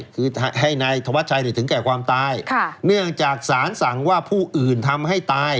คือให้นายธวัชชัยถึงแก่ความตายค่ะเนื่องจากสารสั่งว่าผู้อื่นทำให้ตาย